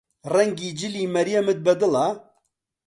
ڕەنگی جلی مەریەمت بەدڵە؟